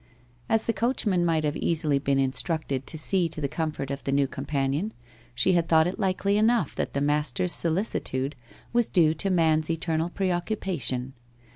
As the coachman might have easily been instructed to see to the comfort of the new companion, she had thought it likely enough that the master's solicitude was due to man's eternal preoccupation.